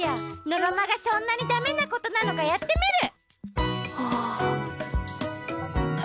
のろまがそんなにだめなことなのかやってみる！